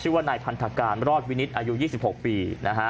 ชื่อว่าไนด์พันตะกาลรอดวินิตอายุ๒๖ปี